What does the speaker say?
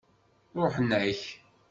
Ṛuḥen-ak.